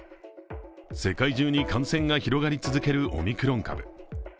世界中に感染が広がり続けるオミクロン株。